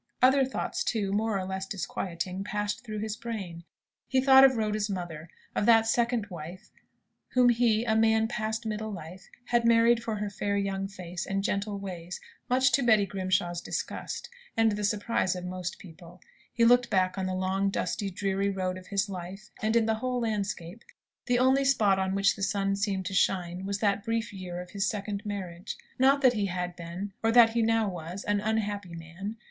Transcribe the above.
Other thoughts, too, more or less disquieting, passed through his brain. He thought of Rhoda's mother of that second wife whom he, a man past middle life, had married for her fair young face and gentle ways, much to Betty Grimshaw's disgust, and the surprise of most people. He looked back on the long, dusty, dreary road of his life; and, in the whole landscape, the only spot on which the sun seemed to shine was that brief year of his second marriage. Not that he had been, or that he now was, an unhappy man.